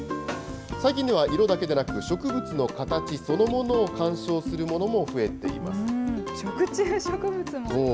最近では色だけでなく植物の形そのものを観賞するものも増えてい食虫植物も？